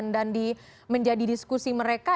dan menjadi diskusi mereka